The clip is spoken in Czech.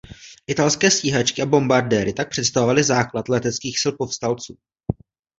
Italské stíhačky a bombardéry tak představovaly základ leteckých sil povstalců.